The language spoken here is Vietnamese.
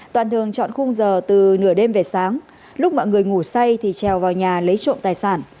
toàn thường chọn khung giờ từ nửa đêm về sáng lúc mọi người ngủ say thì trèo vào nhà lấy trộm tài sản